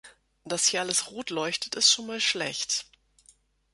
Dass hier alles rot leuchtet, ist schon mal schlecht.